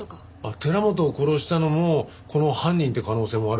寺本を殺したのもこの犯人って可能性もあるもんね。